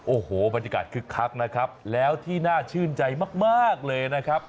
โอ้โหบรรยากาศคึกคักนะครับแล้วที่น่าชื่นใจมากเลยนะครับ